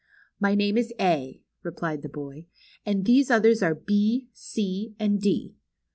My name is A," replied the boy ; and these others are B, C, and D."